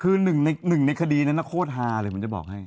คือหนึ่งในคดีนั้นโคตรฮาเลยผมจะบอกให้